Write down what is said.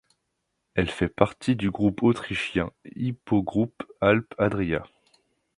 Elle fait partie du groupe autrichien Hypo Group Alpe Adria.